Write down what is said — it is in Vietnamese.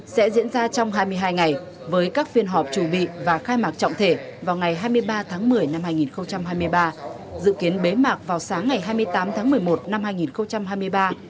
sẽ diễn ra trong hai mươi hai ngày với các phiên họp chủ bị và khai mạc trọng thể vào ngày hai mươi ba tháng một mươi năm hai nghìn hai mươi ba dự kiến bế mạc vào sáng ngày hai mươi tám tháng một mươi một năm hai nghìn hai mươi ba